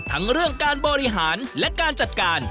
ทั้งเรื่องการบริหารและการจัดการ